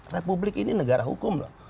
republik ini negara hukum loh